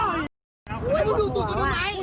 มึงเปิดทุกข่อนเปล่าอี๋